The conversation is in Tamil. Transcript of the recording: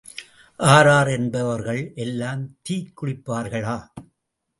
ஆர் ஆர் என்பவர்கள் எல்லாம் தீக் குளிப்பார்களா?